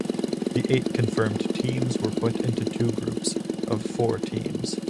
The eight confirmed teams were put into two groups of four teams.